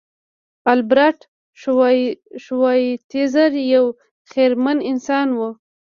البرټ شوایتزر یو خیرمن انسان و.